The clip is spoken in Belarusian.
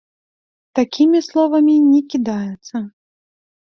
Такімі словамі не кідаюцца.